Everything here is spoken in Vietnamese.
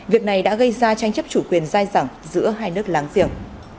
việc này đã gây ra tranh chấp chủ quyền dai dẳng giữa hai nước láng giềng